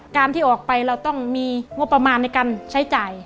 การที่ออกไปเราต้องมีงบประมาณในการใช้จ่าย